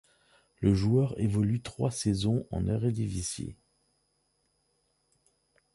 Le joueur évolue trois saisons en Eredivisie.